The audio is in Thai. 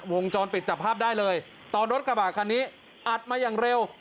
วงจรปิดจับภาพได้เลยตอนรถกระบะคันนี้อัดมาอย่างเร็ว